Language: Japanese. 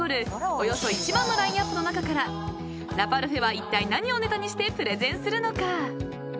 およそ１万のラインアップの中からラパルフェはいったい何をネタにしてプレゼンするのか］